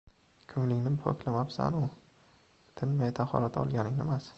• Ko‘nglingni poklamabsan-ku, tinmay tahorat olganing nimasi?!